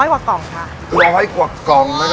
๑๐๐วักกอง